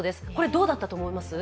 どうだったと思います？